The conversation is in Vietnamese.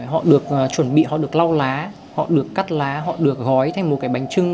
họ được chuẩn bị họ được lau lá họ được cắt lá họ được gói thành một cái bánh trưng